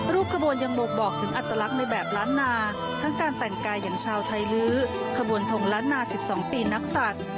ขบวนยังบ่งบอกถึงอัตลักษณ์ในแบบล้านนาทั้งการแต่งกายอย่างชาวไทยลื้อขบวนทงล้านนา๑๒ปีนักศัตริย์